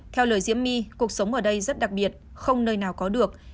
theo lời diễm my cuộc sống ở đây rất đặc biệt không nơi nào có được